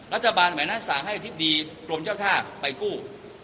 รัฐบาลให้อธิพดีกรมเจ้าธาตุไปกู้